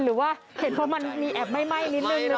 หรือว่าเห็นเพราะมันมีแอบไหม้นิดหนึ่งหรือเปล่า